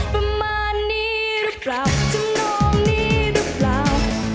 ประมาณนี้รึเปล่าชมน้องนี้รึเปล่า